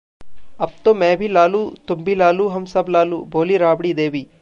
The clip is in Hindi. अब तो मैं भी लालू...तुम भी लालू...हम सब लालू, बोलीं राबड़ी देवी